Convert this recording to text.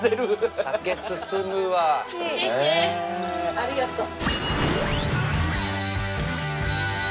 ありがとう。